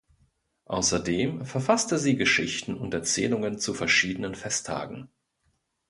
Außerdem verfasste sie Geschichten und Erzählungen zu verschiedenen Festtagen.